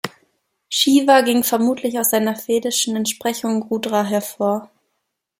Shiva ging vermutlich aus seiner vedischen Entsprechung Rudra hervor.